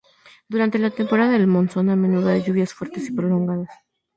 Durante la temporada del monzón a menudo hay lluvias fuertes y prolongadas.